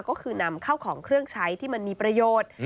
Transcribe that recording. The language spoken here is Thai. ก็คือนำเข้าของเครื่องใช้ที่มันมีประโยชน์